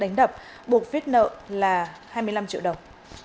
đánh đập buộc viết nợ là hai mươi năm triệu đồng